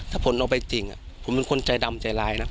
ถ้าผลเอาไปจริงผมเป็นคนใจดำใจร้ายนะ